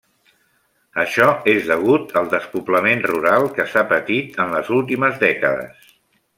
Això és degut al despoblament rural que s'ha patit en les últimes dècades.